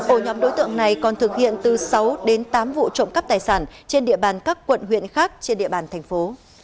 ổ nhóm đối tượng này còn thực hiện từ sáu đến tám vụ trộm cắp tài sản trên địa bàn các quận huyện khác trên địa bàn thành phố